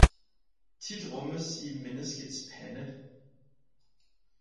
Tidt rummes i Menneskets Pande